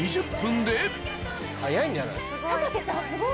早いんじゃない？